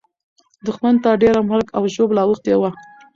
دښمن ته ډېره مرګ او ژوبله اوښتې وه.